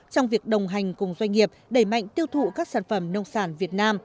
trong việc đồng hành cùng doanh nghiệp đẩy mạnh tiêu thụ các sản phẩm nông sản việt nam